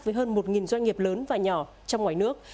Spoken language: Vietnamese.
với hơn một doanh nghiệp lớn và nhỏ trong ngoài nước